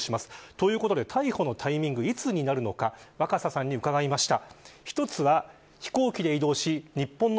というわけで逮捕のタイミングはいつになるのか若狭さんに伺いました。